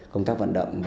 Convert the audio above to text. công tác vận động